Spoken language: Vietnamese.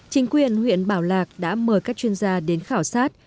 chính quyền huyện bảo lạc đã mời các chuyên gia đến khảo sát